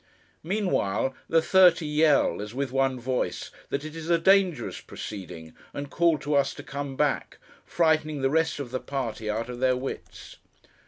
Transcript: Meanwhile, the thirty yell, as with one voice, that it is a dangerous proceeding, and call to us to come back; frightening the rest of the party out of their wits.